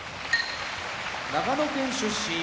長野県出身